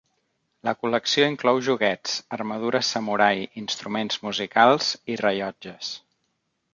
La col·lecció inclou joguets, armadures samurai, instruments musicals i rellotges.